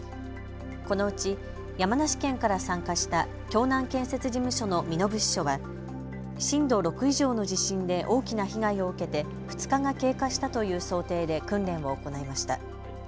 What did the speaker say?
このうち山梨県から参加した峡南建設事務所の身延支所は震度６以上の地震で大きな被害を受けて２日が経過したという想定で訓練を行いました。